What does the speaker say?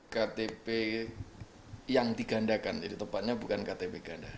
ktp yang digandakan jadi tepatnya bukan ktp ganda